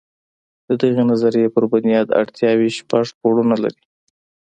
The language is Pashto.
د دغې نظریې پر بنا اړتیاوې شپږ پوړونه لري.